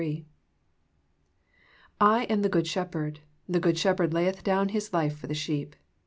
'^ 1 am the good Shepherd : the good Shepherd layeth down His life for the sheep.